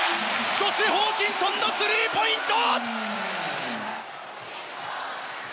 ジョシュ・ホーキンソンのスリーポイント！